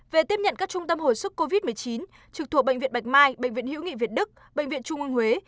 về tiếp nhận các trung tâm hồi sức covid một mươi chín trực thuộc bệnh viện bạch mai bệnh viện hữu nghị việt đức bệnh viện trung ương huế